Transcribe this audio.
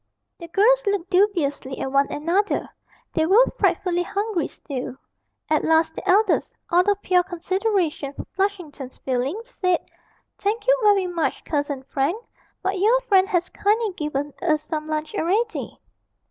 The girls looked dubiously at one another they were frightfully hungry still; at last the eldest, out of pure consideration for Flushington's feelings, said, 'Thank you very much, Cousin Frank but your friend has kindly given us some lunch already.'